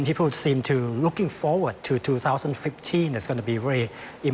และพวกเขาซึ่งสงสัยว่า๒๐๑๕จะเป็นประตูดี